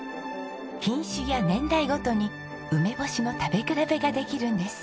品種や年代ごとに梅干しの食べ比べができるんです。